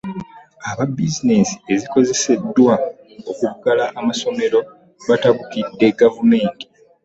Aba bizinesi ezikoseddwa okuggala amasomera batabukidde gavumenti .